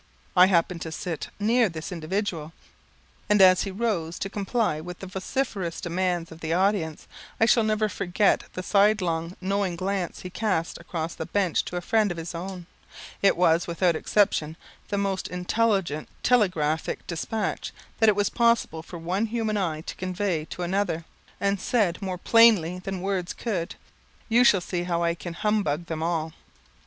I happened to sit near this individual, and as he rose to comply with the vociferous demands of the audience, I shall never forget the sidelong knowing glance he cast across the bench to a friend of his own; it was, without exception, the most intelligent telegraphic despatch that it was possible for one human eye to convey to another, and said more plainly than words could "You shall see how I can humbug them all."